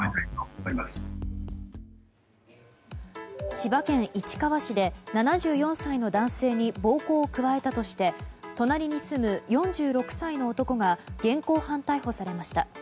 千葉県市川市で７４歳の男性に暴行を加えたとして隣に住む４６歳の男が現行犯逮捕されました。